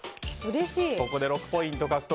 ここで６ポイント獲得。